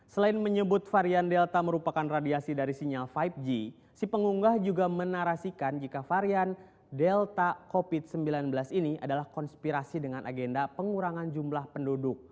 selain menyebut varian delta merupakan radiasi dari sinyal lima g si pengunggah juga menarasikan jika varian delta covid sembilan belas ini adalah konspirasi dengan agenda pengurangan jumlah penduduk